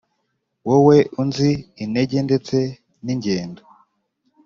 wowe unzi intege ndetse n ' ingendo